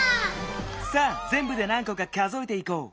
さあぜんぶで何こか数えていこう。